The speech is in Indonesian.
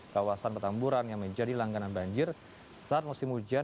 kawasan petamburan yang menjadi langganan banjir saat musim hujan